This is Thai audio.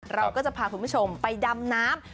เราก็จะพาคุณผู้ชมไปดำน้ำ